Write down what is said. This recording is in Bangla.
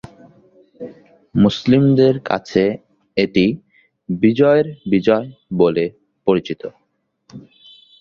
মুসলিমদের কাছে এটি "বিজয়ের বিজয়" বলে পরিচিত।